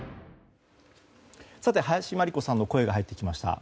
林真理子さんの声が入ってきました。